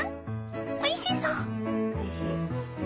おいしそう！